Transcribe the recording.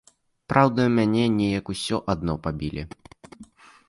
Праўда, мяне неяк усё адно пабілі.